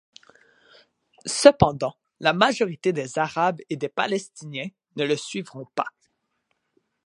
Cependant la majorité des Arabes et des Palestiniens ne le suivront pas.